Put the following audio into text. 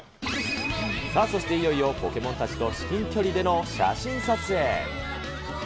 さあ、そしていよいよポケモンたちと至近距離での写真撮影。